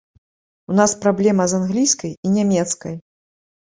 У нас праблема з англійскай і нямецкай.